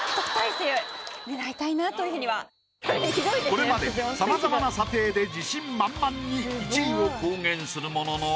これまでさまざまな査定で自信満々に１位を公言するものの。